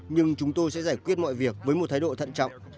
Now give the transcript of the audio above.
nhưng chúng tôi sẽ giải quyết mọi việc với một thái độ thận trọng